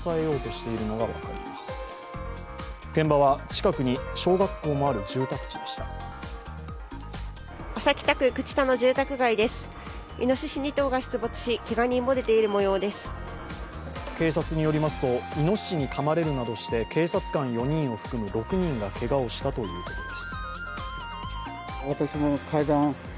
警察によりますと、いのししにかまれるなどして警察官４人を含む６人がけがをしたということです。